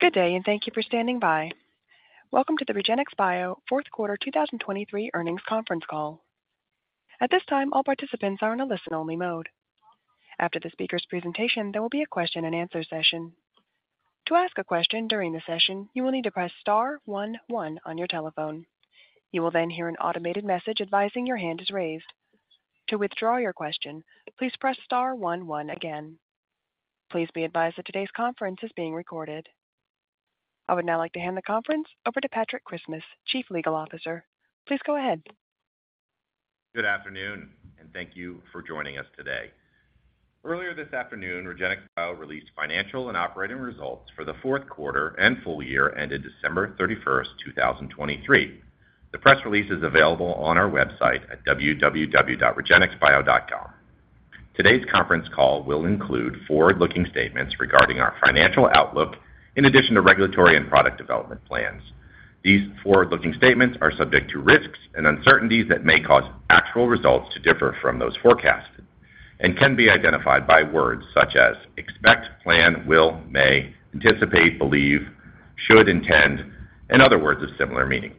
Good day and thank you for standing by. Welcome to the REGENXBIO fourth quarter 2023 earnings conference call. At this time, all participants are in a listen-only mode. After the speaker's presentation, there will be a question-and-answer session. To ask a question during the session, you will need to press star one one on your telephone. You will then hear an automated message advising your hand is raised. To withdraw your question, please press star one 1 again. Please be advised that today's conference is being recorded. I would now like to hand the conference over to Patrick Christmas, Chief Legal Officer. Please go ahead. Good afternoon, and thank you for joining us today. Earlier this afternoon, REGENXBIO released financial and operating results for the Q4 and full year ended December 31st, 2023. The press release is available on our website at www.regenxbio.com. Today's conference call will include forward-looking statements regarding our financial outlook in addition to regulatory and product development plans. These forward-looking statements are subject to risks and uncertainties that may cause actual results to differ from those forecasted and can be identified by words such as expect, plan, will, may, anticipate, believe, should, intend, and other words of similar meaning.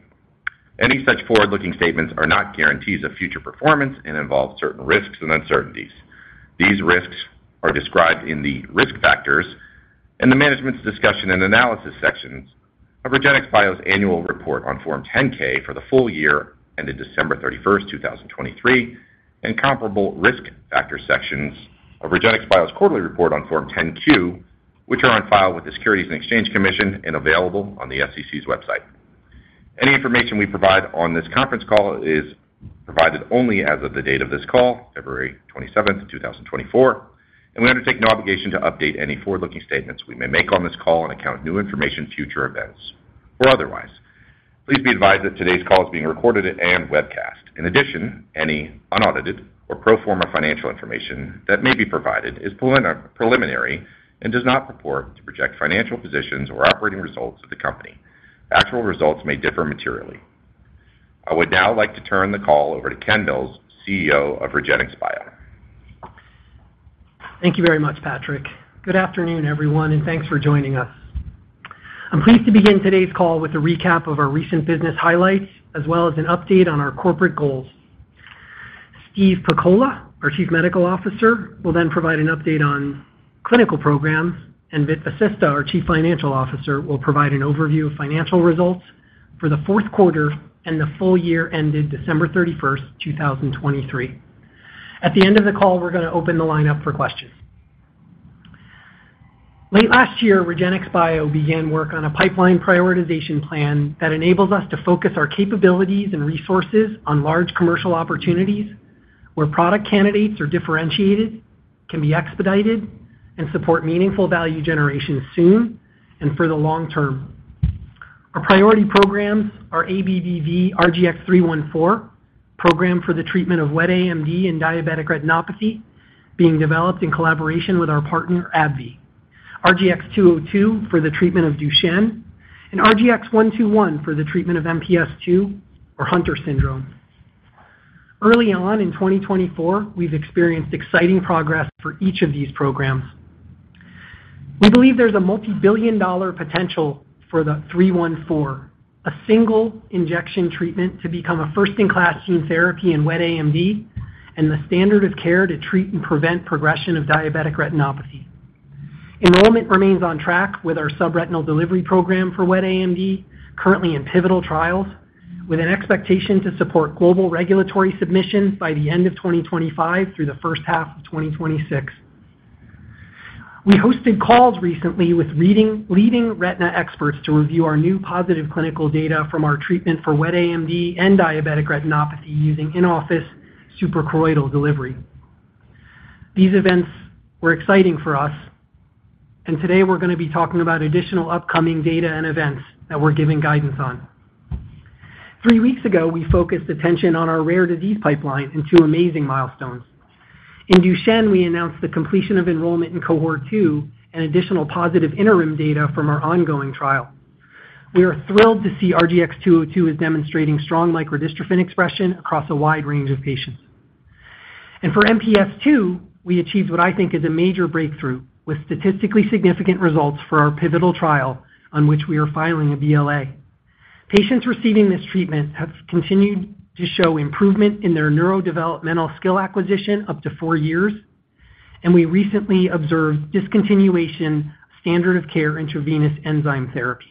Any such forward-looking statements are not guarantees of future performance and involve certain risks and uncertainties. These risks are described in the risk factors and the management's discussion and analysis sections of REGENXBIO's annual report on Form 10-K for the full year ended 31st December 2023, and comparable risk factor sections of REGENXBIO's quarterly report on Form 10-Q, which are on file with the Securities and Exchange Commission and available on the SEC's website. Any information we provide on this conference call is provided only as of the date of this call, 27th February 2024, and we undertake no obligation to update any forward-looking statements we may make on this call and account new information, future events, or otherwise. Please be advised that today's call is being recorded and webcast. In addition, any unaudited or pro forma financial information that may be provided is preliminary and does not purport to project financial positions or operating results of the company. Actual results may differ materially. I would now like to turn the call over to Ken Mills, CEO of REGENXBIO. Thank you very much, Patrick. Good afternoon, everyone, and thanks for joining us. I'm pleased to begin today's call with a recap of our recent business highlights as well as an update on our corporate goals. Steve Pakola, our Chief Medical Officer, will then provide an update on clinical programs, and Vit Vasista, our Chief Financial Officer, will provide an overview of financial results for the fourth quarter and the full year ended 31st December, 2023. At the end of the call, we're going to open the line up for questions. Late last year, REGENXBIO began work on a pipeline prioritization plan that enables us to focus our capabilities and resources on large commercial opportunities where product candidates are differentiated, can be expedited, and support meaningful value generation soon and for the long term. Our priority programs are ABBV-RGX-314 program for the treatment of wet AMD and diabetic retinopathy, being developed in collaboration with our partner AbbVie. RGX-202 for the treatment of Duchenne. And RGX-121 for the treatment of MPS II or Hunter syndrome. Early on in 2024, we've experienced exciting progress for each of these programs. We believe there's a multibillion-dollar potential for the 314, a single injection treatment to become a first-in-class gene therapy in wet AMD and the standard of care to treat and prevent progression of diabetic retinopathy. Enrollment remains on track with our subretinal delivery program for wet AMD, currently in pivotal trials, with an expectation to support global regulatory submission by the end of 2025 through the first half of 2026. We hosted calls recently with leading retina experts to review our new positive clinical data from our treatment for wet AMD and diabetic retinopathy using in-office suprachoroidal delivery. These events were exciting for us, and today we're going to be talking about additional upcoming data and events that we're giving guidance on. Three weeks ago, we focused attention on our rare disease pipeline and two amazing milestones. In Duchenne, we announced the completion of enrollment in cohort two and additional positive interim data from our ongoing trial. We are thrilled to see RGX-202 is demonstrating strong microdystrophin expression across a wide range of patients. For MPS II, we achieved what I think is a major breakthrough with statistically significant results for our pivotal trial on which we are filing a BLA. Patients receiving this treatment have continued to show improvement in their neurodevelopmental skill acquisition up to four years, and we recently observed discontinuation of standard-of-care intravenous enzyme therapy.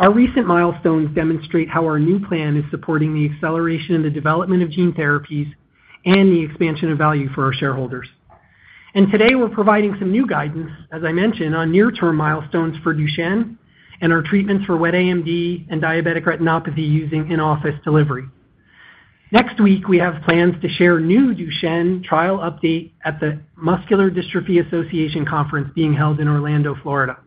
Our recent milestones demonstrate how our new plan is supporting the acceleration in the development of gene therapies and the expansion of value for our shareholders. Today, we're providing some new guidance, as I mentioned, on near-term milestones for Duchenne and our treatments for wet AMD and diabetic retinopathy using in-office delivery. Next week, we have plans to share new Duchenne trial update at the Muscular Dystrophy Association conference being held in Orlando, Florida.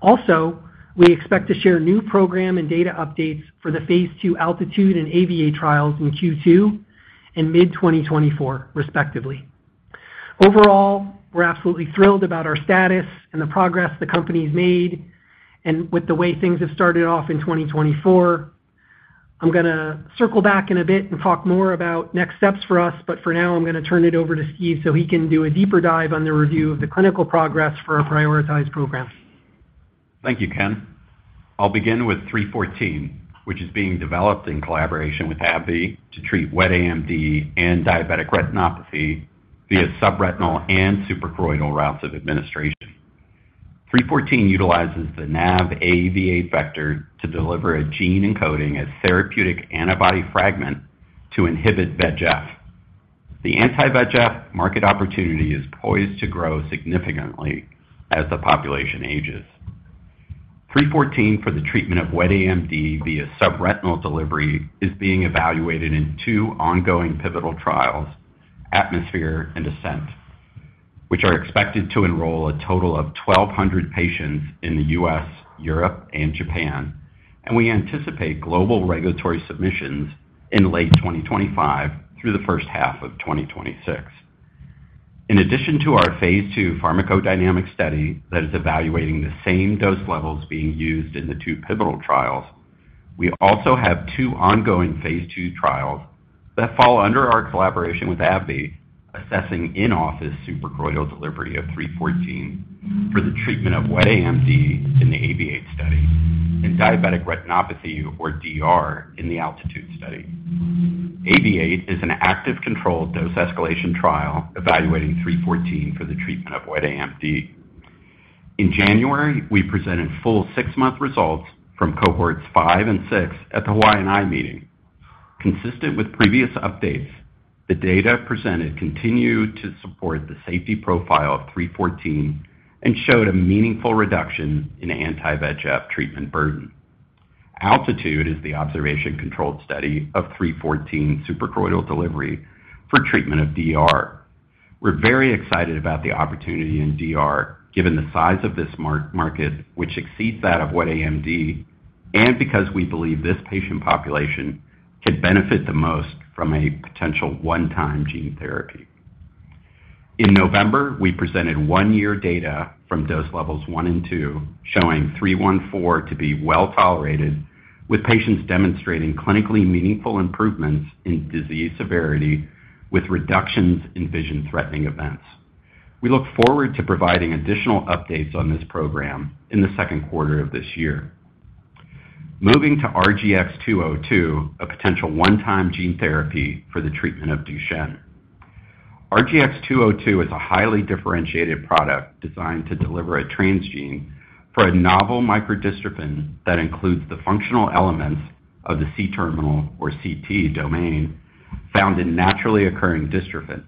Also, we expect to share new program and data updates for the Phase II ALTITUDE and AAVIATE trials in Q2 and mid-2024, respectively. Overall, we're absolutely thrilled about our status, and the progress the company's made. With the way things have started off in 2024, I'm going to circle back in a bit and talk more about next steps for us, but for now, I'm going to turn it over to Steve so he can do a deeper dive on the review of the clinical progress for our prioritized programs. Thank you, Ken. I'll begin with 314, which is being developed in collaboration with AbbVie to treat wet AMD and diabetic retinopathy via subretinal and suprachoroidal routes of administration. 314 utilizes the NAV AAVIATE vector to deliver a gene encoding a therapeutic antibody fragment to inhibit VEGF. The anti-VEGF market opportunity is poised to grow significantly as the population ages. 314 for the treatment of wet AMD via subretinal delivery is being evaluated in two ongoing pivotal trials, ATMOSPHERE and ASCENT, which are expected to enroll a total of 1,200 patients in the U.S., Europe, and Japan. We anticipate global regulatory submissions in late 2025 through the first half of 2026. In addition to our phase 2 pharmacodynamic study that is evaluating the same dose levels being used in the two pivotal trials, we also have two ongoing phase 2 trials that fall under our collaboration with AbbVie assessing in-office suprachoroidal delivery of 314 for the treatment of wet AMD in the AAVIATE study and diabetic retinopathy, or DR, in the ALTITUDE study. AAVIATE is an active-controlled dose escalation trial evaluating 314 for the treatment of wet AMD. In January, we presented full six-month results from cohorts five and six at the Hawaiian Eye meeting. Consistent with previous updates, the data presented continued to support the safety profile of 314 and showed a meaningful reduction in anti-VEGF treatment burden. ALTITUDE is the observation-controlled study of 314 suprachoroidal delivery for treatment of DR. We're very excited about the opportunity in DR given the size of this market, which exceeds that of wet AMD, and because we believe this patient population can benefit the most from a potential one-time gene therapy. In November, we presented one-year data from dose levels one and two showing 314 to be well-tolerated, with patients demonstrating clinically meaningful improvements in disease severity with reductions in vision-threatening events. We look forward to providing additional updates on this program in the Q2 of this year. Moving to RGX-202, a potential one-time gene therapy for the treatment of Duchenne. RGX-202 is a highly differentiated product designed to deliver a transgene for a novel microdystrophin that includes the functional elements of the C-terminal, or CT, domain found in naturally occurring dystrophin.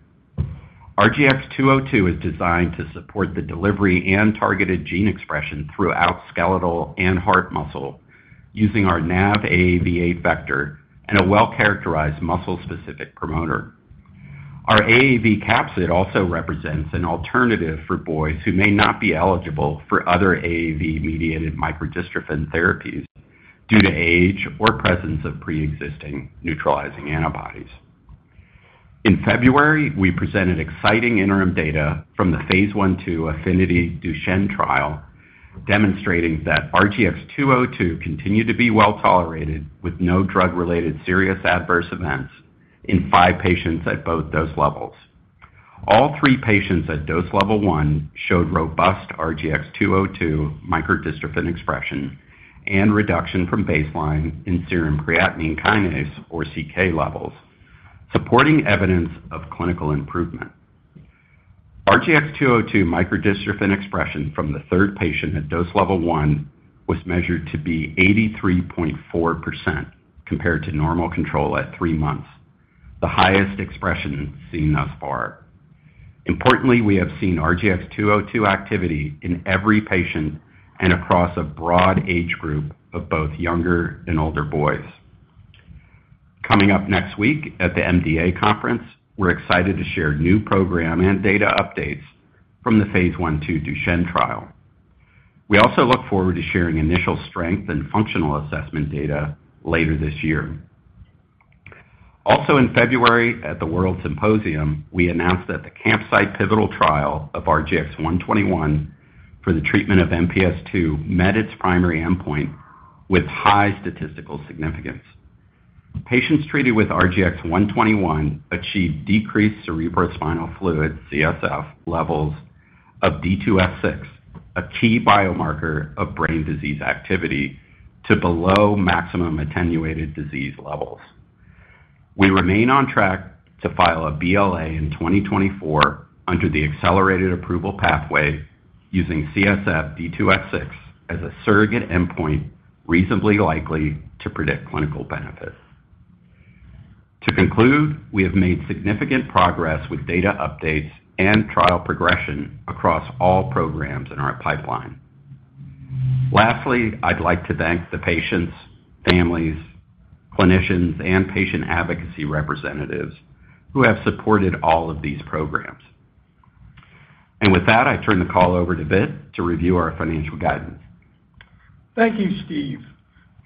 RGX-202 is designed to support the delivery and targeted gene expression throughout skeletal and heart muscle using our NAV AAV vector and a well-characterized muscle-specific promoter. Our AAV capsid also represents an alternative for boys who may not be eligible for other AAV-mediated microdystrophin therapies due to age or presence of pre-existing neutralizing antibodies. In February, we presented exciting interim data from the Phase I/II AFFINITY Duchenne trial demonstrating that RGX-202 continued to be well-tolerated with no drug-related serious adverse events in five patients at both dose levels. All three patients at dose level I showed robust RGX-202 microdystrophin expression and reduction from baseline in serum creatine kinase, or CK, levels, supporting evidence of clinical improvement. RGX-202 microdystrophin expression from the third patient at dose level I was measured to be 83.4% compared to normal control at three months, the highest expression seen thus far. Importantly, we have seen RGX-202 activity in every patient and across a broad age group of both younger and older boys. Coming up next week at the MDA conference, we're excited to share new program and data updates from the Phase I/II Duchenne trial. We also look forward to sharing initial strength and functional assessment data later this year. Also, in February at the World Symposium, we announced that the CAMPSIITE pivotal trial of RGX-121 for the treatment of MPS II met its primary endpoint with high statistical significance. Patients treated with RGX-121 achieved decreased cerebrospinal fluid, CSF, levels of D2S6, a key biomarker of brain disease activity, to below maximum attenuated disease levels. We remain on track to file a BLA in 2024 under the accelerated approval pathway using CSF D2S6 as a surrogate endpoint reasonably likely to predict clinical benefit. To conclude, we have made significant progress with data updates and trial progression across all programs in our pipeline. Lastly, I'd like to thank the patients, families, clinicians, and patient advocacy representatives who have supported all of these programs. With that, I turn the call over to Vit to review our financial guidance. Thank you, Steve.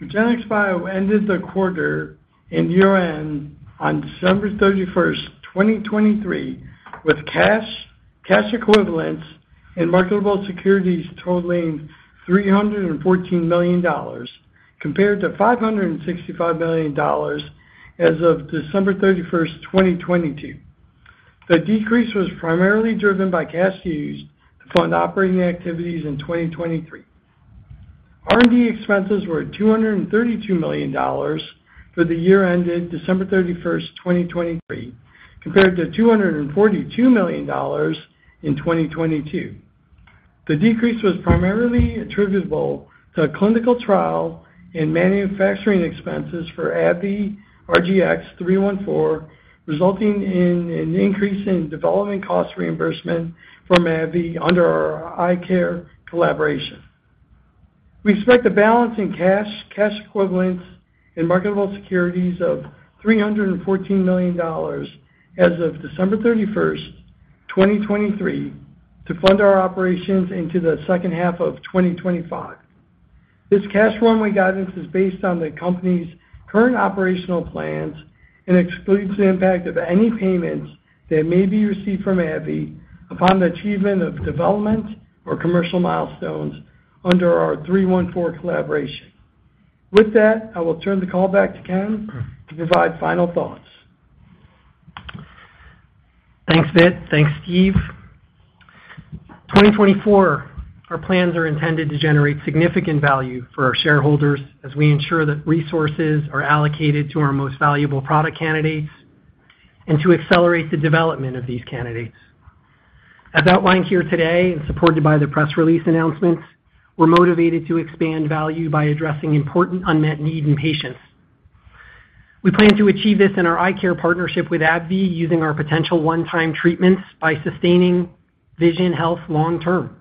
REGENXBIO ended the quarter in year-end on December 31st, 2023, with cash equivalents in marketable securities totaling $314 million compared to $565 million as of 31st December, 2022. The decrease was primarily driven by cash used to fund operating activities in 2023. R&D expenses were $232 million for the year-ended 31st December, 2023, compared to $242 million in 2022. The decrease was primarily attributable to a clinical trial and manufacturing expenses for AbbVie RGX-314, resulting in an increase in development cost reimbursement from AbbVie under our eye care collaboration. We expect a balance in cash equivalents in marketable securities of $314 million as of 31st December, 2023, to fund our operations into the second half of 2025. This cash-only guidance is based on the company's current operational plans and excludes the impact of any payments that may be received from AbbVie upon the achievement of development or commercial milestones under our 314 collaboration. With that, I will turn the call back to Ken to provide final thoughts. Thanks, Vit. Thanks, Steve. 2024, our plans are intended to generate significant value for our shareholders as we ensure that resources are allocated to our most valuable product candidates and to accelerate the development of these candidates. As outlined here today and supported by the press release announcements, we're motivated to expand value by addressing important unmet needs in patients. We plan to achieve this in our eye care partnership with AbbVie using our potential one-time treatments by sustaining vision health long-term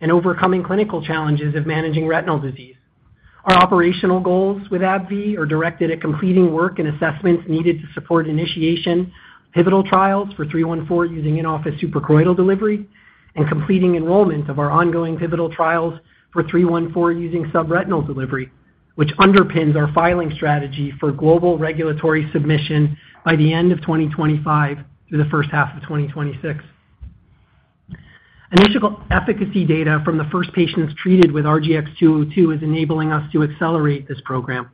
and overcoming clinical challenges of managing retinal disease. Our operational goals with AbbVie are directed at completing work and assessments needed to support initiation of pivotal trials for 314 using in-office suprachoroidal delivery and completing enrollment of our ongoing pivotal trials for 314 using subretinal delivery, which underpins our filing strategy for global regulatory submission by the end of 2025 through the first half of 2026. Initial efficacy data from the first patients treated with RGX-202 is enabling us to accelerate this program.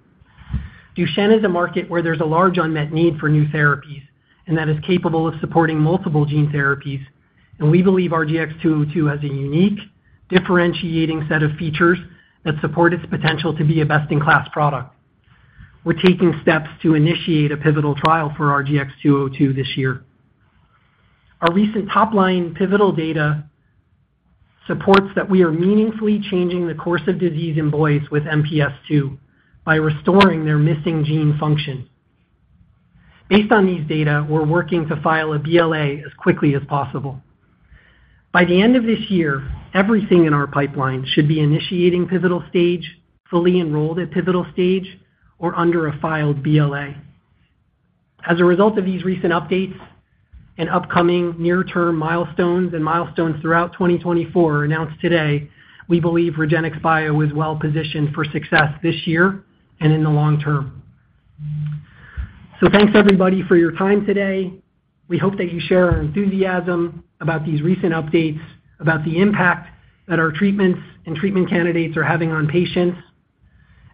Duchenne is a market where there's a large unmet need for new therapies, and that is capable of supporting multiple gene therapies. We believe RGX-202 has a unique, differentiating set of features that support its potential to be a best-in-class product. We're taking steps to initiate a pivotal trial for RGX-202 this year. Our recent top-line pivotal data supports that we are meaningfully changing the course of disease in boys with MPS II by restoring their missing gene function. Based on these data, we're working to file a BLA as quickly as possible. By the end of this year, everything in our pipeline should be initiating pivotal stage, fully enrolled at pivotal stage, or under a filed BLA. As a result of these recent updates and upcoming near-term milestones and milestones throughout 2024 announced today, we believe REGENXBIO is well-positioned for success this year and in the long term. So thanks, everybody, for your time today. We hope that you share our enthusiasm about these recent updates, about the impact that our treatments and treatment candidates are having on patients.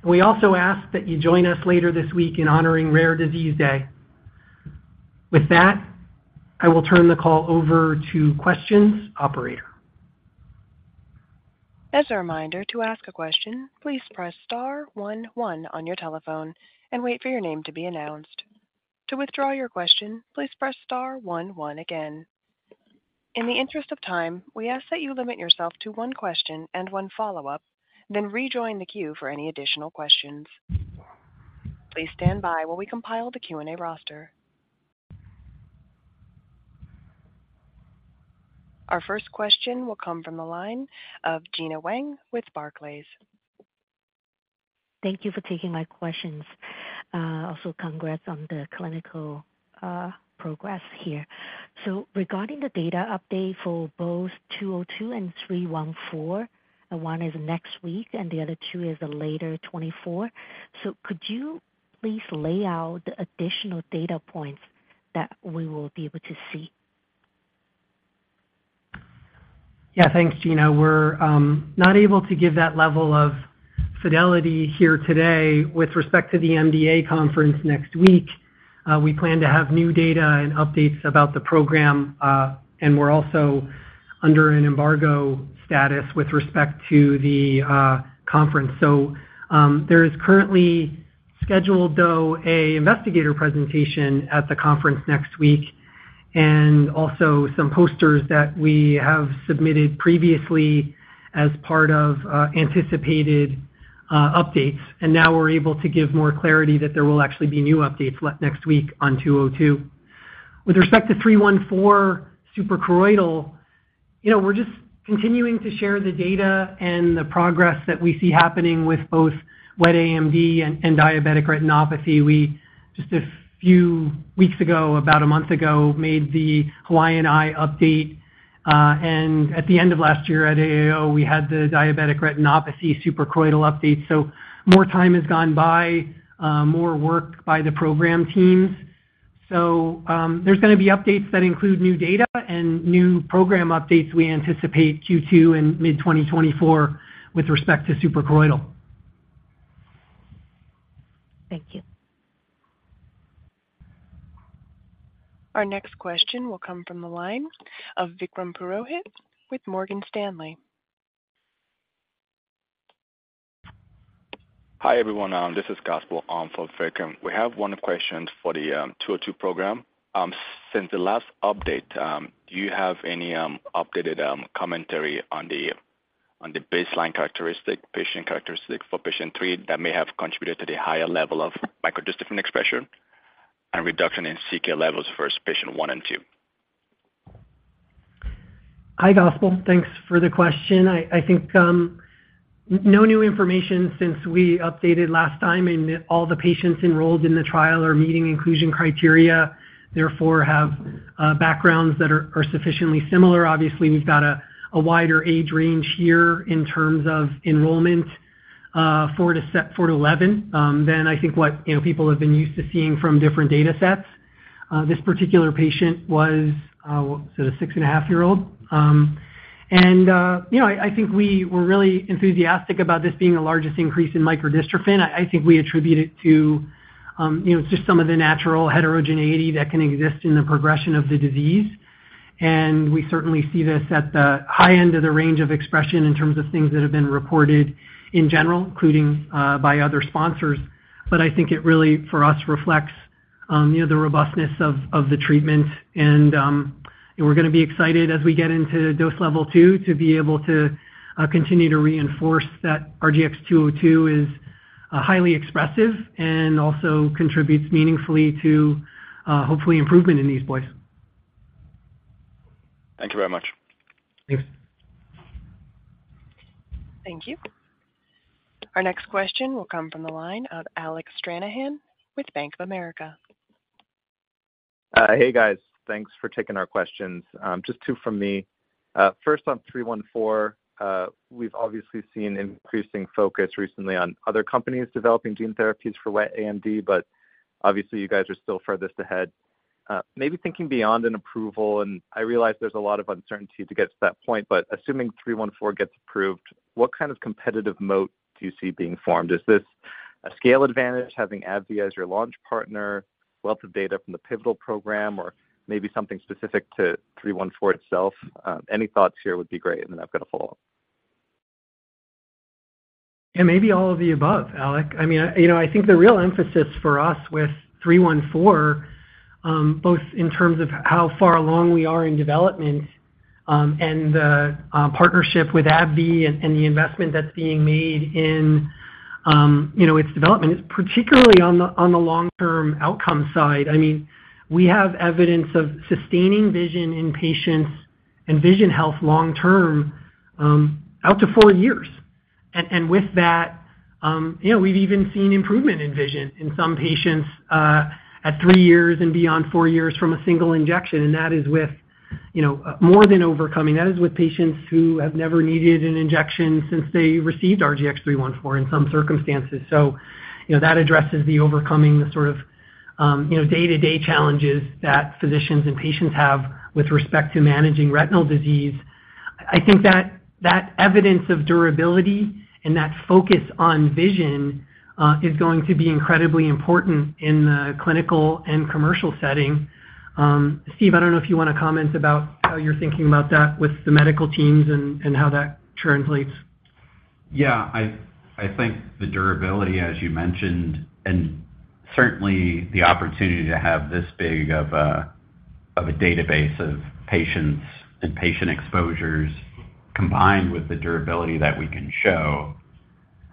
And we also ask that you join us later this week in honoring Rare Disease Day. With that, I will turn the call over to questions operator. As a reminder, to ask a question, please press star one one on your telephone and wait for your name to be announced. To withdraw your question, please press star one one again. In the interest of time, we ask that you limit yourself to one question and one follow-up, then rejoin the queue for any additional questions. Please stand by while we compile the Q&A roster. Our first question will come from the line of Gena Wang with Barclays. Thank you for taking my questions. Also, congrats on the clinical progress here. So regarding the data update for both 202 and 314, one is next week and the other two is later 2024. So could you please lay out the additional data points that we will be able to see? Yeah, thanks, Gina. We're not able to give that level of fidelity here today. With respect to the MDA conference next week, we plan to have new data and updates about the program, and we're also under an embargo status with respect to the conference. So there is currently scheduled, though, an investigator presentation at the conference next week and also some posters that we have submitted previously as part of anticipated updates. Now we're able to give more clarity that there will actually be new updates next week on 202. With respect to 314 suprachoroidal, we're just continuing to share the data and the progress that we see happening with both wet AMD and diabetic retinopathy. Just a few weeks ago, about a month ago, made the Hawaiian Eye update. At the end of last year at AAO, we had the diabetic retinopathy suprachoroidal update. More time has gone by, more work by the program teams. There's going to be updates that include new data and new program updates we anticipate Q2 and mid-2024 with respect to suprachoroidal. Thank you. Our next question will come from the line of Vikram Purohit with Morgan Stanley. Hi, everyone. This is Gospel from Vikram. We have one question for the 202 program. Since the last update, do you have any updated commentary on the baseline characteristic, patient characteristic for patient three that may have contributed to the higher level of microdystrophin expression and reduction in CK levels for patient one and two? Hi, Gospel. Thanks for the question. I think no new information since we updated last time. All the patients enrolled in the trial are meeting inclusion criteria, therefore have backgrounds that are sufficiently similar. Obviously, we've got a wider age range here in terms of enrollment 4-11 than I think what people have been used to seeing from different datasets. This particular patient was, what was it, a 6.5-year-old? I think we were really enthusiastic about this being the largest increase in microdystrophin. I think we attribute it to just some of the natural heterogeneity that can exist in the progression of the disease. We certainly see this at the high end of the range of expression in terms of things that have been reported in general, including by other sponsors. But I think it really, for us, reflects the robustness of the treatment. We're going to be excited as we get into dose level 2 to be able to continue to reinforce that RGX-202 is highly expressive and also contributes meaningfully to, hopefully, improvement in these boys. Thank you very much. Thanks. Thank you. Our next question will come from the line of Alec Stranahan with Bank of America. Hey, guys. Thanks for taking our questions. Just two from me. First, on 314, we've obviously seen increasing focus recently on other companies developing gene therapies for wet AMD, but obviously, you guys are still furthest ahead. Maybe thinking beyond an approval, and I realize there's a lot of uncertainty to get to that point, but assuming 314 gets approved, what kind of competitive moat do you see being formed? Is this a scale advantage, having AbbVie as your launch partner, wealth of data from the pivotal program, or maybe something specific to 314 itself? Any thoughts here would be great, and then I've got a follow-up. Yeah, maybe all of the above, Alec. I mean, I think the real emphasis for us with 314, both in terms of how far along we are in development and the partnership with AbbVie and the investment that's being made in its development, is particularly on the long-term outcome side. I mean, we have evidence of sustaining vision in patients and vision health long-term out to four years. And with that, we've even seen improvement in vision in some patients at three years and beyond four years from a single injection. And that is with more than overcoming. That is with patients who have never needed an injection since they received RGX-314 in some circumstances. So that addresses the overcoming, the sort of day-to-day challenges that physicians and patients have with respect to managing retinal disease. I think that evidence of durability and that focus on vision is going to be incredibly important in the clinical and commercial setting. Steve, I don't know if you want to comment about how you're thinking about that with the medical teams and how that translates. Yeah. I think the durability, as you mentioned, and certainly the opportunity to have this big of a database of patients and patient exposures combined with the durability that we can show.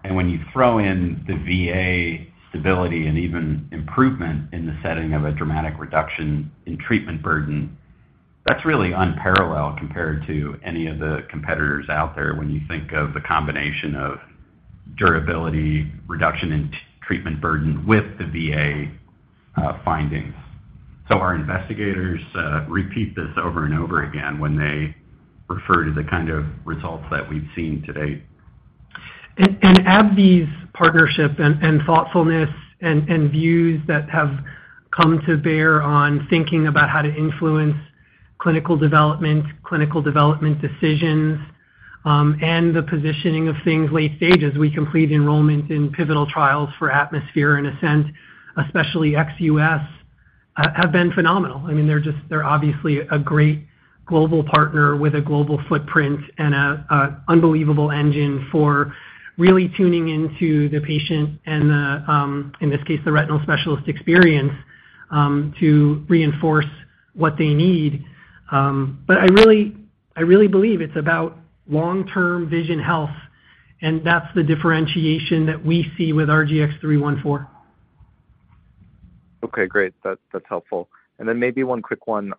And when you throw in the VA stability and even improvement in the setting of a dramatic reduction in treatment burden, that's really unparalleled compared to any of the competitors out there when you think of the combination of durability, reduction in treatment burden with the VA findings. So our investigators repeat this over and over again when they refer to the kind of results that we've seen to date. AbbVie's partnership and thoughtfulness and views that have come to bear on thinking about how to influence clinical development, clinical development decisions, and the positioning of things late stage as we complete enrollment in pivotal trials for ATMOSPHERE and ASCENT, especially XUS, have been phenomenal. I mean, they're obviously a great global partner with a global footprint and an unbelievable engine for really tuning into the patient and, in this case, the retinal specialist experience to reinforce what they need. But I really believe it's about long-term vision health, and that's the differentiation that we see with RGX-314. Okay. Great. That's helpful. And then maybe one quick one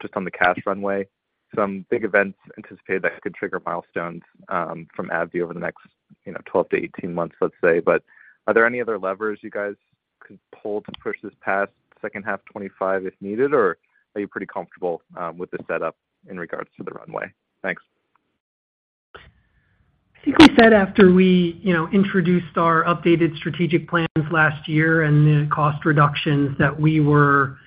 just on the cash runway. Some big events anticipated that could trigger milestones from AbbVie over the next 12-18 months, let's say. But are there any other levers you guys could pull to push this past second half 2025 if needed, or are you pretty comfortable with the setup in regards to the runway? Thanks. I think we said after we introduced our updated strategic plans last year and the cost reductions that we were,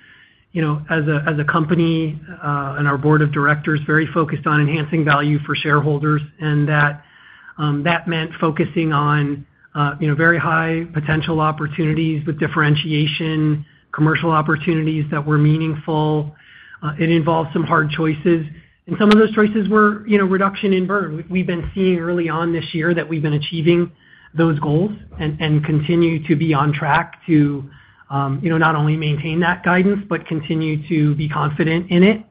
as a company and our board of directors, very focused on enhancing value for shareholders, and that meant focusing on very high potential opportunities with differentiation, commercial opportunities that were meaningful. It involved some hard choices. Some of those choices were reduction in burn. We've been seeing early on this year that we've been achieving those goals and continue to be on track to not only maintain that guidance but continue to be confident in it.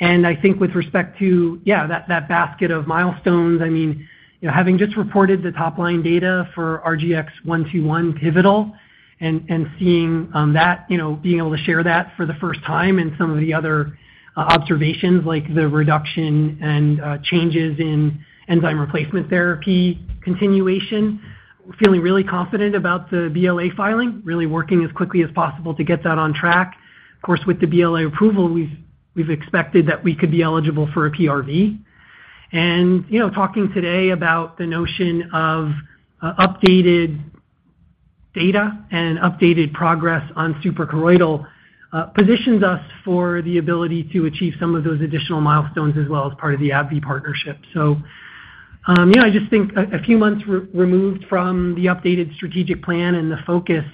And I think with respect to, yeah, that basket of milestones, I mean, having just reported the top-line data for RGX-121 pivotal and seeing that, being able to share that for the first time and some of the other observations like the reduction and changes in enzyme replacement therapy continuation, feeling really confident about the BLA filing, really working as quickly as possible to get that on track. Of course, with the BLA approval, we've expected that we could be eligible for a PRV. And talking today about the notion of updated data and updated progress on suprachoroidal positions us for the ability to achieve some of those additional milestones as well as part of the AbbVie partnership. So I just think a few months removed from the updated strategic plan and the focus,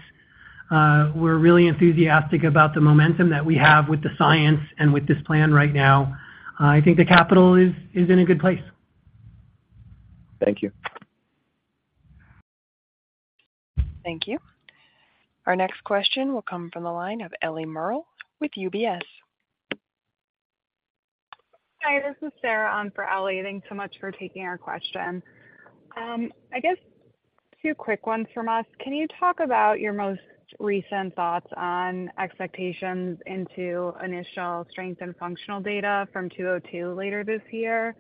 we're really enthusiastic about the momentum that we have with the science and with this plan right now. I think the capital is in a good place. Thank you. Thank you. Our next question will come from the line of Ellie Merle with UBS. Hi. This is Sarah for Ellie. Thanks so much for taking our question. I guess two quick ones from us. Can you talk about your most recent thoughts on expectations into initial strength and functional data from 202 later this year?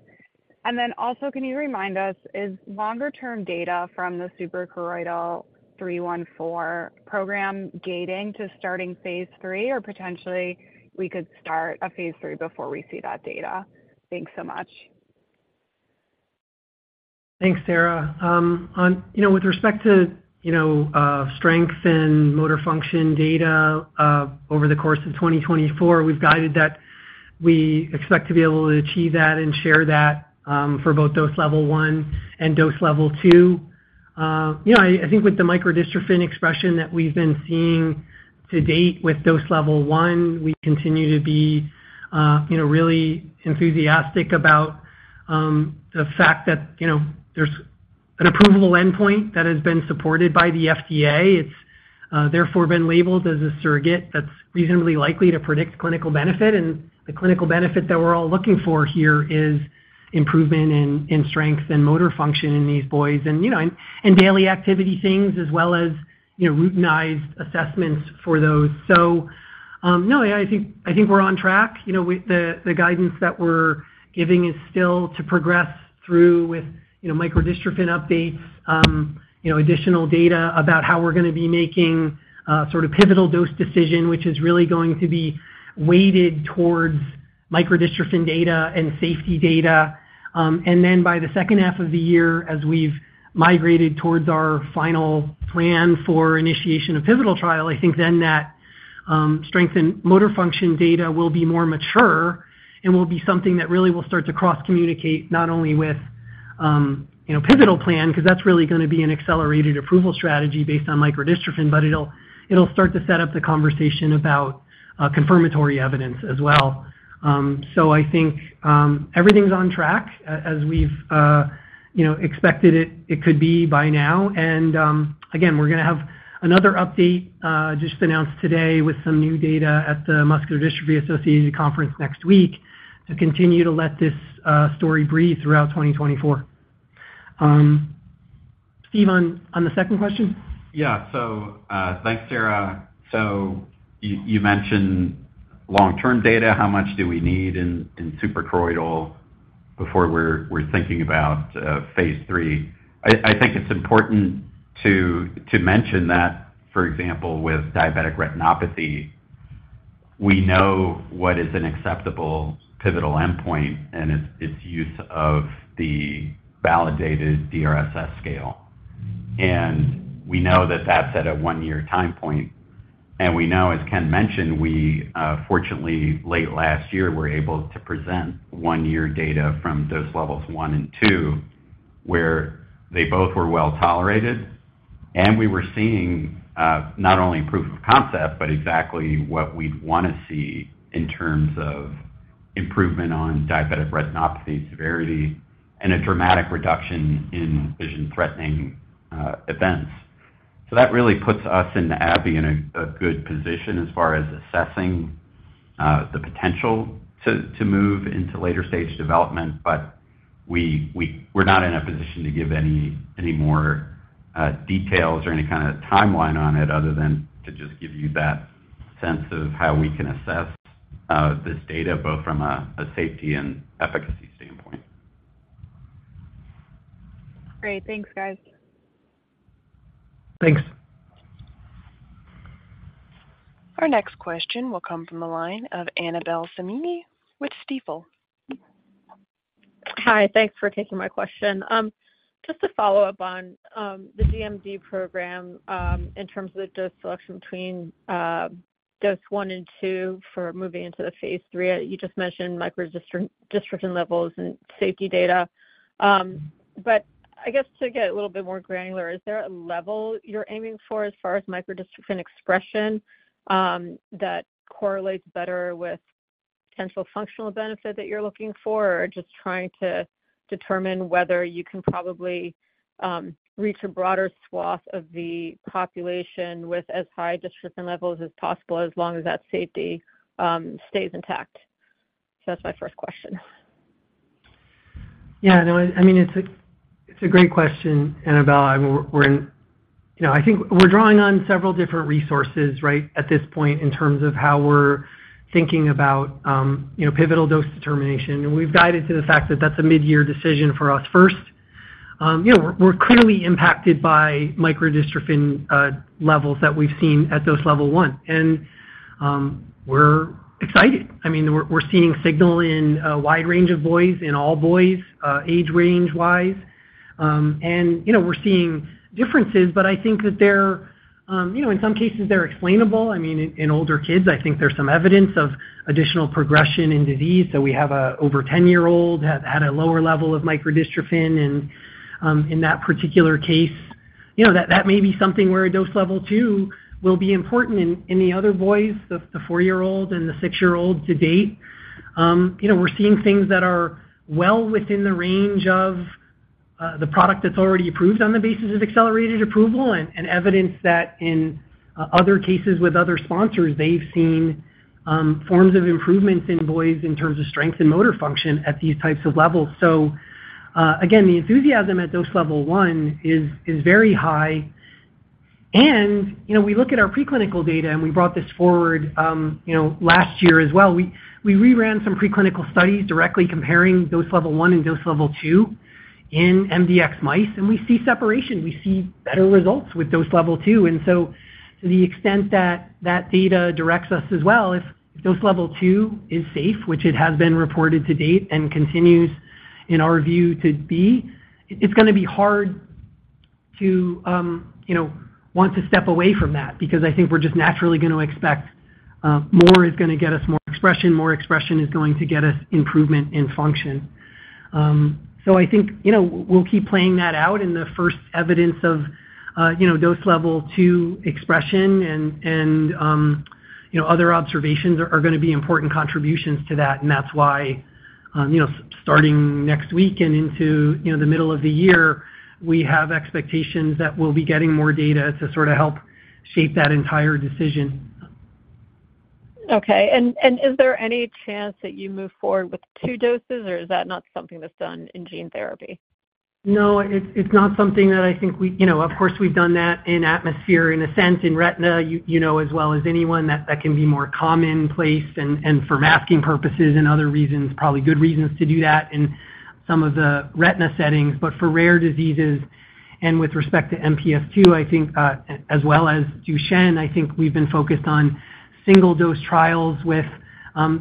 And then also, can you remind us, is longer-term data from the suprachoroidal 314 program gating to starting Phase III, or potentially we could start a Phase III before we see that data? Thanks so much. Thanks, Sarah. With respect to strength and motor function data over the course of 2024, we've guided that we expect to be able to achieve that and share that for both dose level one and dose level two. I think with the microdystrophin expression that we've been seeing to date with dose level one, we continue to be really enthusiastic about the fact that there's an approval endpoint that has been supported by the FDA. It's therefore been labeled as a surrogate that's reasonably likely to predict clinical benefit. The clinical benefit that we're all looking for here is improvement in strength and motor function in these boys and daily activity things as well as routinized assessments for those. So no, I think we're on track. The guidance that we're giving is still to progress through with microdystrophin updates, additional data about how we're going to be making sort of pivotal dose decision, which is really going to be weighted towards microdystrophin data and safety data. And then by the second half of the year, as we've migrated towards our final plan for initiation of pivotal trial, I think then that strength and motor function data will be more mature and will be something that really will start to cross-communicate not only with pivotal plan because that's really going to be an accelerated approval strategy based on microdystrophin, but it'll start to set up the conversation about confirmatory evidence as well. So I think everything's on track as we've expected it could be by now. Again, we're going to have another update just announced today with some new data at the Muscular Dystrophy Association conference next week to continue to let this story breathe throughout 2024. Steve, on the second question? Yeah. So thanks, Sarah. So you mentioned long-term data. How much do we need in suprachoroidal before we're thinking about Phase III? I think it's important to mention that, for example, with diabetic retinopathy, we know what is an acceptable pivotal endpoint and its use of the validated DRSS scale. And we know that that's at a one-year time point. And we know, as Ken mentioned, fortunately, late last year, we were able to present one-year data from dose levels one and two where they both were well tolerated. And we were seeing not only proof of concept, but exactly what we'd want to see in terms of improvement on diabetic retinopathy severity and a dramatic reduction in vision-threatening events. So that really puts us and AbbVie in a good position as far as assessing the potential to move into later stage development. But we're not in a position to give any more details or any kind of timeline on it other than to just give you that sense of how we can assess this data both from a safety and efficacy standpoint. Great. Thanks, guys. Thanks. Our next question will come from the line of Annabel Samimy with Stifel. Hi. Thanks for taking my question. Just a follow-up on the DMD program in terms of the dose selection between dose one and two for moving into the Phase III. You just mentioned microdystrophin levels and safety data. But I guess to get a little bit more granular, is there a level you're aiming for as far as microdystrophin expression that correlates better with potential functional benefit that you're looking for, or just trying to determine whether you can probably reach a broader swath of the population with as high dystrophin levels as possible as long as that safety stays intact? So that's my first question. Yeah. No, I mean, it's a great question, Annabelle. I mean, I think we're drawing on several different resources, right, at this point in terms of how we're thinking about pivotal dose determination. And we've guided to the fact that that's a midyear decision for us first. We're clearly impacted by microdystrophin levels that we've seen at dose level one. And we're excited. I mean, we're seeing signal in a wide range of boys, in all boys, age range-wise. And we're seeing differences, but I think that they're in some cases, they're explainable. I mean, in older kids, I think there's some evidence of additional progression in disease. So, we have an over-10-year-old that had a lower level of microdystrophin. And in that particular case, that may be something where a dose level two will be important. In the other boys, the four-year-old and the six-year-old to date, we're seeing things that are well within the range of the product that's already approved on the basis of accelerated approval and evidence that in other cases with other sponsors, they've seen forms of improvements in boys in terms of strength and motor function at these types of levels. So again, the enthusiasm at dose level one is very high. We look at our preclinical data, and we brought this forward last year as well. We reran some preclinical studies directly comparing dose level one and dose level two in MDX mice, and we see separation. We see better results with dose level two. And so to the extent that that data directs us as well, if dose level two is safe, which it has been reported to date and continues in our view to be, it's going to be hard to want to step away from that because I think we're just naturally going to expect more is going to get us more expression. More expression is going to get us improvement in function. So, I think we'll keep playing that out. And the first evidence of dose level two expression and other observations are going to be important contributions to that. And that's why starting next week and into the middle of the year, we have expectations that we'll be getting more data to sort of help shape that entire decision. Okay. Is there any chance that you move forward with two doses, or is that not something that's done in gene therapy? No, it's not something that I think we of course, we've done that in ATMOSPHERE, in a sense, in retina as well as anyone. That can be more commonplace and for masking purposes and other reasons, probably good reasons to do that in some of the retina settings. But for rare diseases and with respect to MPS II, I think as well as Duchenne, I think we've been focused on single-dose trials with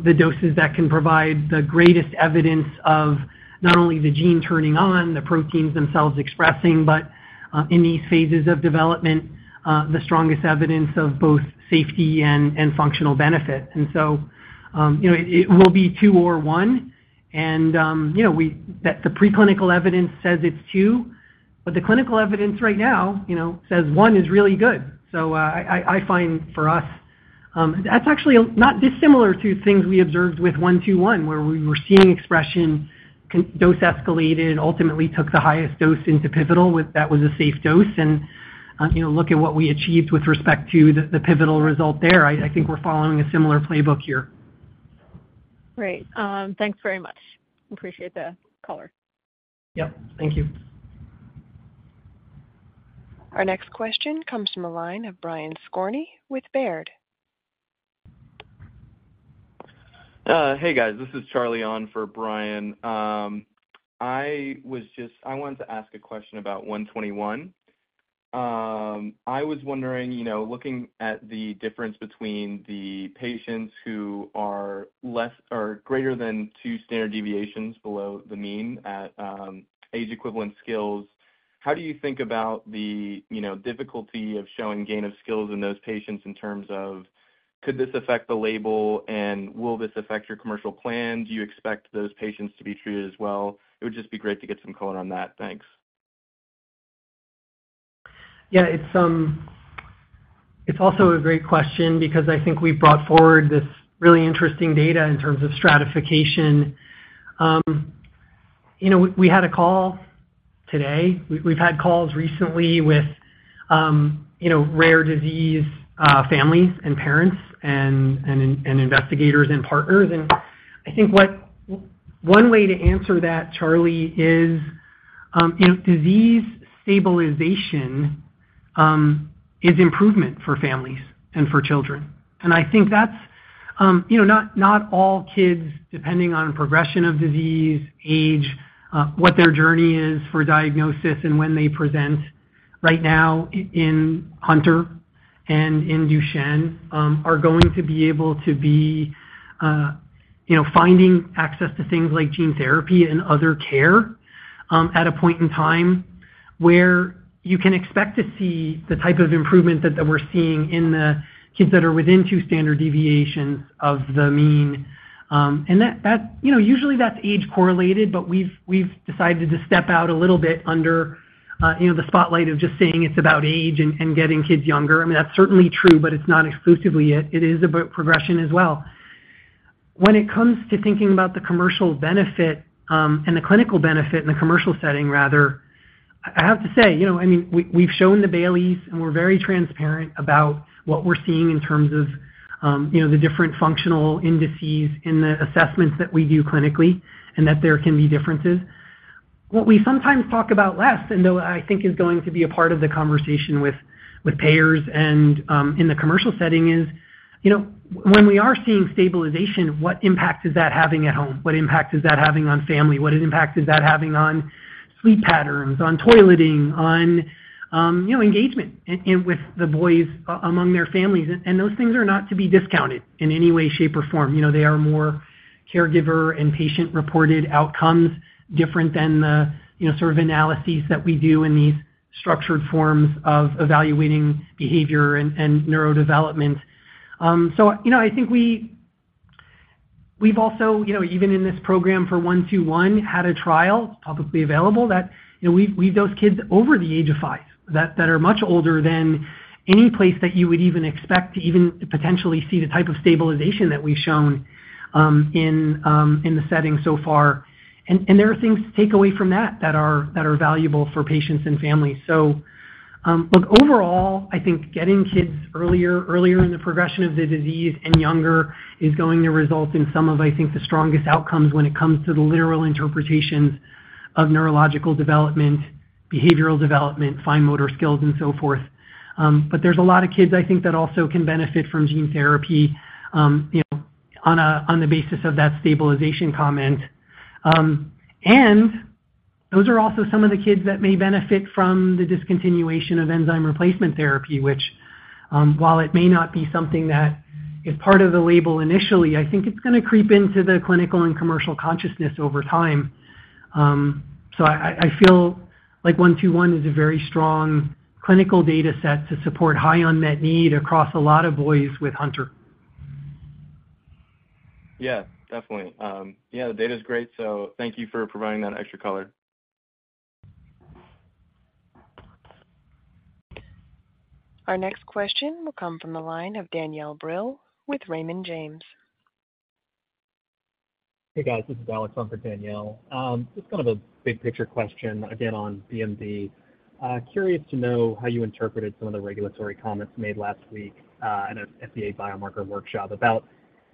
the doses that can provide the greatest evidence of not only the gene turning on, the proteins themselves expressing, but in these phases of development, the strongest evidence of both safety and functional benefit. And so it will be two or one. And the preclinical evidence says it's two, but the clinical evidence right now says one is really good. So, I find for us, that's actually not dissimilar to things we observed with 121, where we were seeing expression, dose escalated, ultimately took the highest dose into pivotal that was a safe dose. And look at what we achieved with respect to the pivotal result there. I think we're following a similar playbook here. Great. Thanks very much. Appreciate the caller. Yep. Thank you. Our next question comes from the line of Brian Scorney with Baird. Hey, guys. This is Charlie on for Brian. I wanted to ask a question about 121. I was wondering, looking at the difference between the patients who are greater than two standard deviations below the mean at age-equivalent skills, how do you think about the difficulty of showing gain of skills in those patients in terms of could this affect the label, and will this affect your commercial plan? Do you expect those patients to be treated as well? It would just be great to get some color on that. Thanks. Yeah. It's also a great question because I think we brought forward this really interesting data in terms of stratification. We had a call today. We've had calls recently with rare disease families and parents and investigators and partners. And I think one way to answer that, Charlie, is disease stabilization is improvement for families and for children. And I think that's not all kids, depending on progression of disease, age, what their journey is for diagnosis, and when they present. Right now, in Hunter and in Duchenne, are going to be able to be finding access to things like gene therapy and other care at a point in time where you can expect to see the type of improvement that we're seeing in the kids that are within two standard deviations of the mean. Usually, that's age-correlated, but we've decided to step out a little bit under the spotlight of just saying it's about age and getting kids younger. I mean, that's certainly true, but it's not exclusively it. It is about progression as well. When it comes to thinking about the commercial benefit and the clinical benefit in the commercial setting, rather, I have to say, I mean, we've shown the Bayley, and we're very transparent about what we're seeing in terms of the different functional indices in the assessments that we do clinically and that there can be differences. What we sometimes talk about less, and though I think is going to be a part of the conversation with payers and in the commercial setting, is when we are seeing stabilization, what impact is that having at home? What impact is that having on family? What impact is that having on sleep patterns, on toileting, on engagement with the boys among their families? Those things are not to be discounted in any way, shape, or form. They are more caregiver and patient-reported outcomes different than the sort of analyses that we do in these structured forms of evaluating behavior and neurodevelopment. So I think we've also, even in this program for 121, had a trial publicly available that we've dosed kids over the age of five that are much older than any place that you would even expect to even potentially see the type of stabilization that we've shown in the setting so far. There are things to take away from that that are valuable for patients and families. So look, overall, I think getting kids earlier in the progression of the disease and younger is going to result in some of, I think, the strongest outcomes when it comes to the literal interpretations of neurological development, behavioral development, fine motor skills, and so forth. But there's a lot of kids, I think, that also can benefit from gene therapy on the basis of that stabilization comment. And those are also some of the kids that may benefit from the discontinuation of enzyme replacement therapy, which while it may not be something that is part of the label initially, I think it's going to creep into the clinical and commercial consciousness over time. So I feel like 121 is a very strong clinical dataset to support high unmet need across a lot of boys with Hunter. Yeah. Definitely. Yeah, the data's great. So thank you for providing that extra color. Our next question will come from the line of Danielle Brill with Raymond James. Hey, guys. This is, Danielle. Just kind of a big-picture question, again, on DMD. Curious to know how you intierpreted some of the regulatory comments made last week at an FDA biomarker workshop about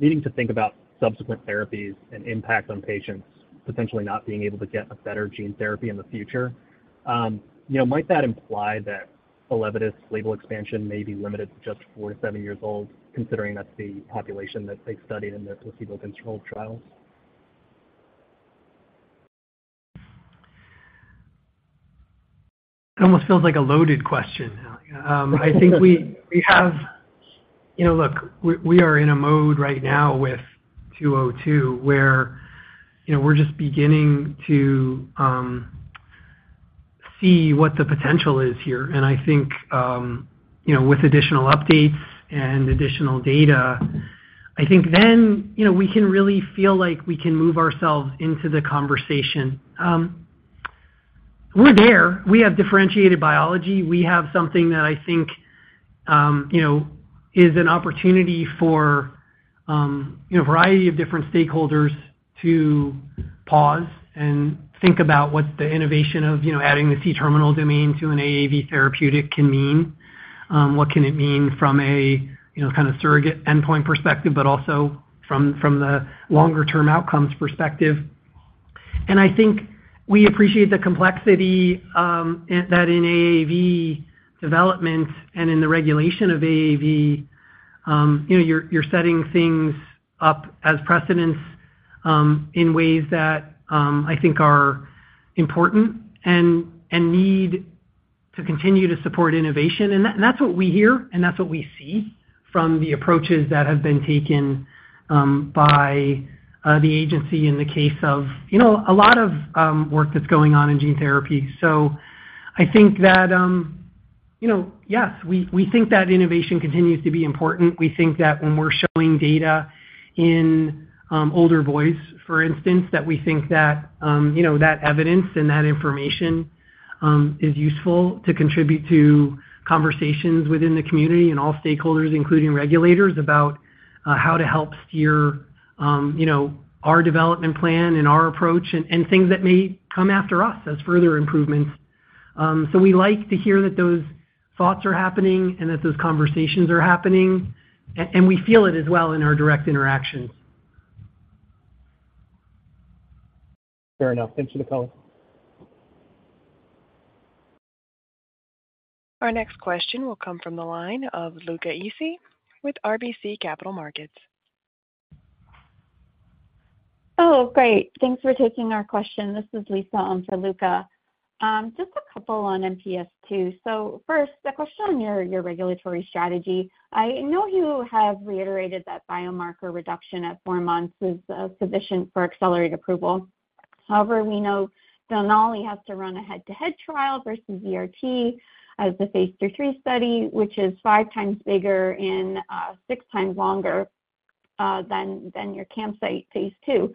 needing to think about subsequent therapies and impact on patients potentially not being able to get a better gene therapy in the future. Might that imply that Elevidys label expansion may be limited to just four-seven years old, considering that's the population that they studied in their placebo-controlled trials? It almost feels like a loaded question. I think we have look, we are in a mode right now with 202 where we're just beginning to see what the potential is here. I think with additional updates and additional data, I think then we can really feel like we can move ourselves into the conversation. We're there. We have differentiated biology. We have something that I think is an opportunity for a variety of different stakeholders to pause and think about what the innovation of adding the C-terminal domain to an AAV therapeutic can mean. What can it mean from a kind of surrogate endpoint perspective, but also from the longer-term outcomes perspective? I think we appreciate the complexity that in AAV development and in the regulation of AAV, you're setting things up as precedents in ways that I think are important and need to continue to support innovation. And that's what we hear, and that's what we see from the approaches that have been taken by the agency in the case of a lot of work that's going on in gene therapy. So I think that, yes, we think that innovation continues to be important. We think that when we're showing data in older boys, for instance, that we think that that evidence and that information is useful to contribute to conversations within the community and all stakeholders, including regulators, about how to help steer our development plan and our approach and things that may come after us as further improvements. We like to hear that those thoughts are happening and that those conversations are happening. We feel it as well in our direct interactions. Fair enough. Thanks for the color. Our next question will come from the line of Luca Issi with RBC Capital Markets. Oh, great. Thanks for taking our question. This is Lisa for Luca. Just a couple on MPS II. So first, a question on your regulatory strategy. I know you have reiterated that biomarker reduction at four months is sufficient for accelerated approval. However, we know Denali has to run a head-to-head trial versus ERT as the Phase III study, which is five times bigger and six times longer than your CAMPSIITE Phase II.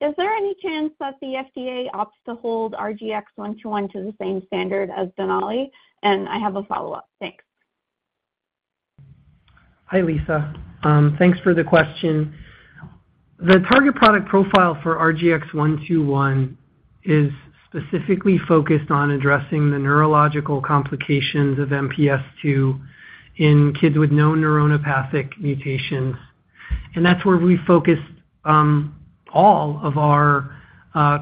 Is there any chance that the FDA opts to hold RGX-121 to the same standard as Denali? And I have a follow-up. Thanks. Hi, Lisa. Thanks for the question. The target product profile for RGX-121 is specifically focused on addressing the neurological complications of MPS II in kids with known neuronopathic mutations. And that's where we focused all of our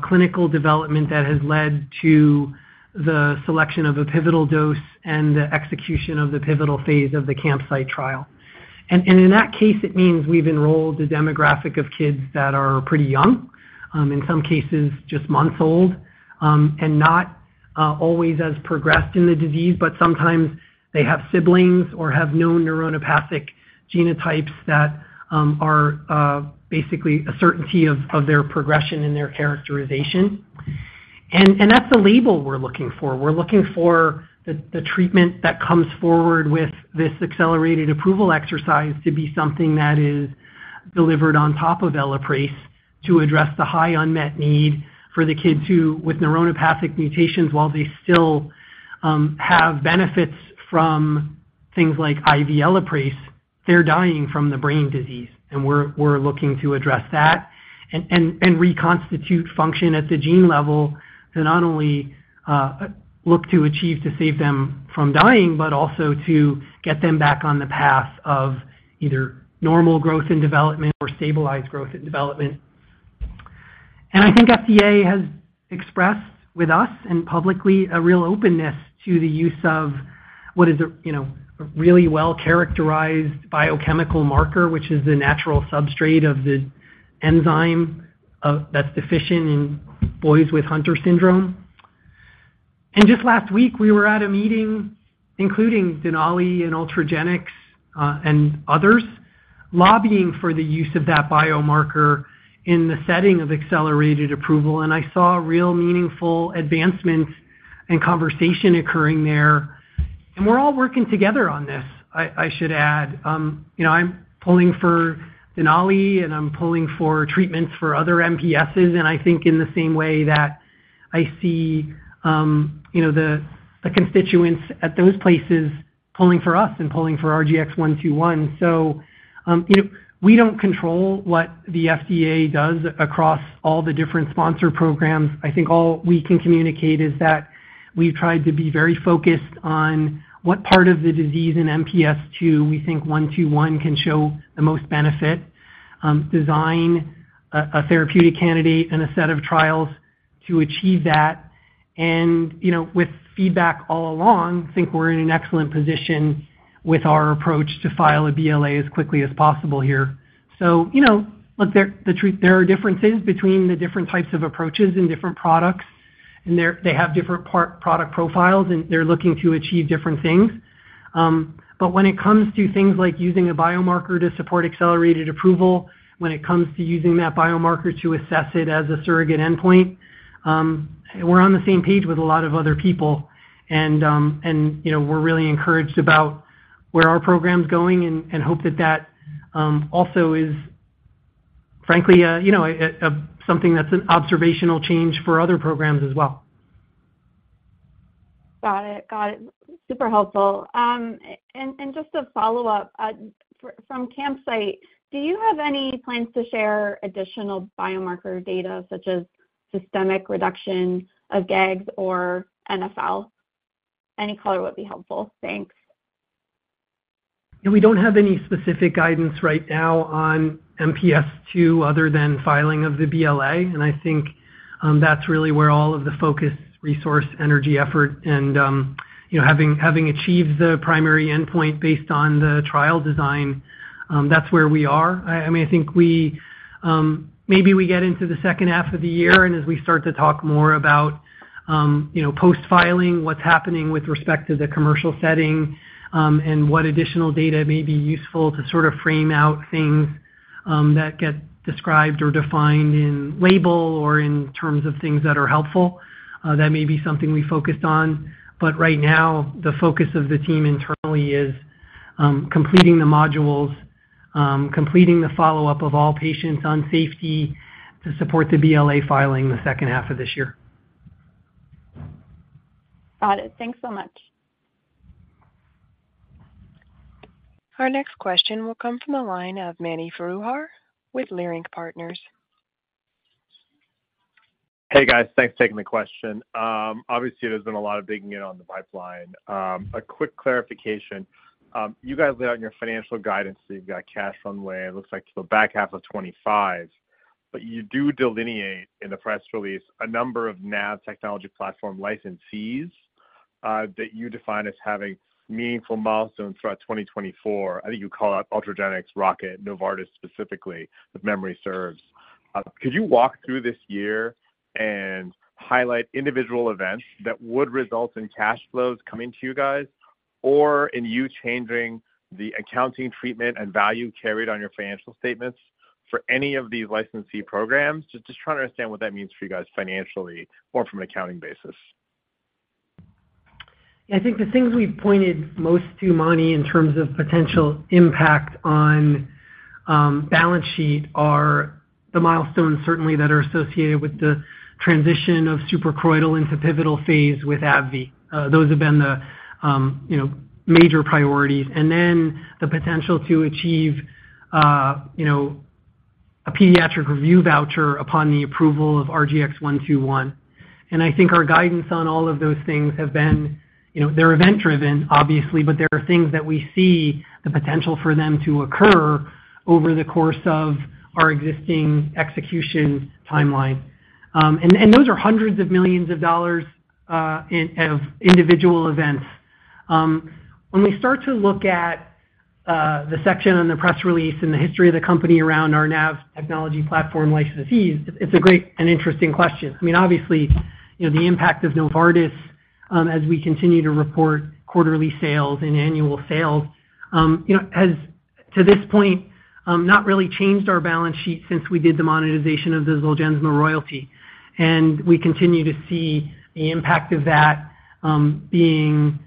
clinical development that has led to the selection of a pivotal dose and the execution of the pivotal phase of the CAMPSIITE trial. And in that case, it means we've enrolled a demographic of kids that are pretty young, in some cases, just months old, and not always as progressed in the disease, but sometimes they have siblings or have known neuronopathic genotypes that are basically a certainty of their progression and their characterization. And that's the label we're looking for. We're looking for the treatment that comes forward with this accelerated approval exercise to be something that is delivered on top of Elaprase to address the high unmet need for the kids who, with neuronopathic mutations, while they still have benefits from things like IV Elaprase, they're dying from the brain disease. And we're looking to address that and reconstitute function at the gene level to not only look to achieve to save them from dying, but also to get them back on the path of either normal growth and development or stabilized growth and development. And I think FDA has expressed with us and publicly a real openness to the use of what is a really well-characterized biochemical marker, which is the natural substrate of the enzyme that's deficient in boys with Hunter syndrome. Just last week, we were at a meeting, including Denali and Ultragenyx and others, lobbying for the use of that biomarker in the setting of accelerated approval. I saw real meaningful advancements and conversation occurring there. We're all working together on this, I should add. I'm pulling for Denali, and I'm pulling for treatments for other MPSs, and I think in the same way that I see the constituents at those places pulling for us and pulling for RGX-121. We don't control what the FDA does across all the different sponsor programs. I think all we can communicate is that we've tried to be very focused on what part of the disease in MPS II we think 121 can show the most benefit, design a therapeutic candidate, and a set of trials to achieve that. And with feedback all along, I think we're in an excellent position with our approach to file a BLA as quickly as possible here. So look, there are differences between the different types of approaches and different products, and they have different product profiles, and they're looking to achieve different things. But when it comes to things like using a biomarker to support accelerated approval, when it comes to using that biomarker to assess it as a surrogate endpoint, we're on the same page with a lot of other people. And we're really encouraged about where our program's going and hope that that also is, frankly, something that's an observational change for other programs as well. Got it. Got it. Super helpful. Just a follow-up from CAMPSIITE, do you have any plans to share additional biomarker data such as systemic reduction of GAGs or NfL? Any color would be helpful. Thanks. Yeah, we don't have any specific guidance right now on MPS II other than filing of the BLA. And I think that's really where all of the focus, resource, energy effort, and having achieved the primary endpoint based on the trial design, that's where we are. I mean, I think maybe we get into the second half of the year, and as we start to talk more about post-filing, what's happening with respect to the commercial setting and what additional data may be useful to sort of frame out things that get described or defined in label or in terms of things that are helpful, that may be something we focused on. But right now, the focus of the team internally is completing the modules, completing the follow-up of all patients on safety to support the BLA filing the second half of this year. Got it. Thanks so much. Our next question will come from the line of Mani Foroohar with Leerink Partners. Hey, guys. Thanks for taking the question. Obviously, there's been a lot of digging in on the pipeline. A quick clarification. You guys laid out in your financial guidance that you've got cash runway, it looks like, to the back half of 2025. But you do delineate in the press release a number of NAV Technology Platform licensees that you define as having meaningful milestones throughout 2024. I think you call that Ultragenyx, Rocket, Novartis specifically, if memory serves. Could you walk through this year and highlight individual events that would result in cash flows coming to you guys or in you changing the accounting treatment and value carried on your financial statements for any of these licensee programs? Just trying to understand what that means for you guys financially or from an accounting basis. Yeah, I think the things we pointed most to, Mani, in terms of potential impact on balance sheet are the milestones, certainly, that are associated with the transition of suprachoroidal into pivotal phase with AbbVie. Those have been the major priorities. And then the potential to achieve a pediatric review voucher upon the approval of RGX-121. And I think our guidance on all of those things have been they're event-driven, obviously, but there are things that we see the potential for them to occur over the course of our existing execution timeline. And those are hundreds of millions of dollars of individual events. When we start to look at the section on the press release and the history of the company around our NAV Technology Platform licensees, it's an interesting question. I mean, obviously, the impact of Novartis as we continue to report quarterly sales and annual sales has, to this point, not really changed our balance sheet since we did the monetization of the Zolgensma royalty. And we continue to see the impact of that being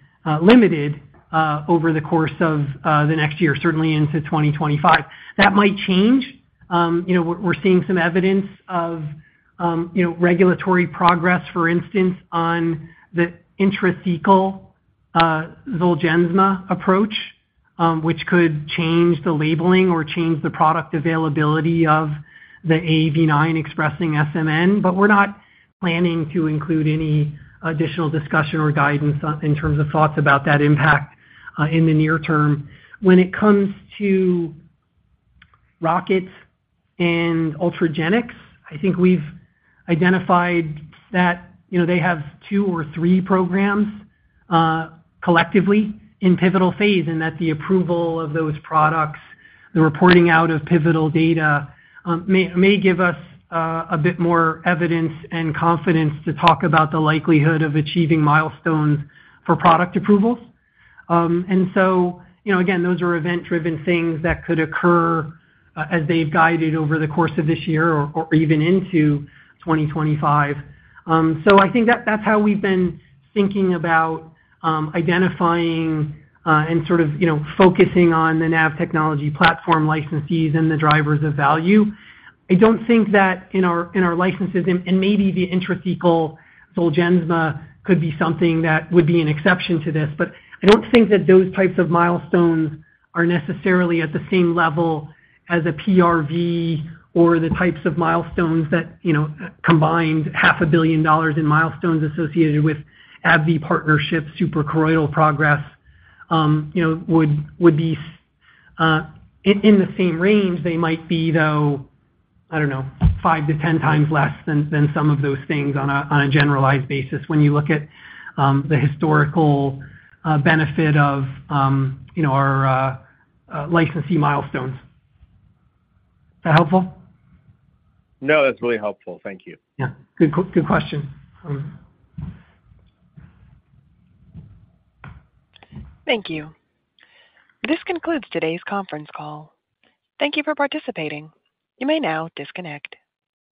limited over the course of the next year, certainly into 2025. That might change. We're seeing some evidence of regulatory progress, for instance, on the intrathecal Zolgensma approach, which could change the labeling or change the product availability of the AAV9 expressing SMN. But we're not planning to include any additional discussion or guidance in terms of thoughts about that impact in the near term. When it comes to Rocket Pharma and Ultragenyx, I think we've identified that they have two or three programs collectively in pivotal phase and that the approval of those products, the reporting out of pivotal data, may give us a bit more evidence and confidence to talk about the likelihood of achieving milestones for product approvals. And so again, those are event-driven things that could occur as they've guided over the course of this year or even into 2025. So I think that's how we've been thinking about identifying and sort of focusing on the NAV Technology Platform licensees and the drivers of value. I don't think that in our licenses and maybe the intrathecal Zolgensma could be something that would be an exception to this. I don't think that those types of milestones are necessarily at the same level as a PRV or the types of milestones that combine $500 million in milestones associated with AbbVie partnership suprachoroidal progress would be in the same range. They might be, though, I don't know, 5-10x less than some of those things on a generalized basis when you look at the historical benefit of our licensee milestones. Is that helpful? No, that's really helpful. Thank you. Yeah. Good question. Thank you. This concludes today's conference call. Thank you for participating. You may now disconnect.